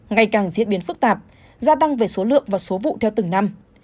ngày càng diễn biến phức tạp gia tăng về số lượng và số vụ theo từng năm